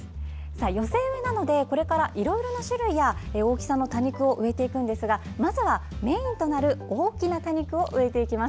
寄せ植えなのでこれからいろいろな種類の多肉植物を植えていくんですがまずは、メインとなる大きな多肉を植えていきます。